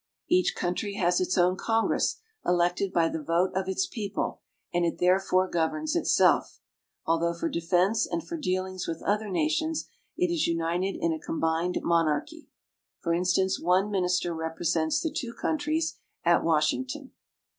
Each country has its own Congress, elected by the vote of its people, and it therefore governs itself ; although for The Emperor's Bodyguard. 284 AUSTRIA HUNGARY. defense and for dealings with other nations it is united in a combined monarchy. For instance, one minister repre sents the two countries at Washington.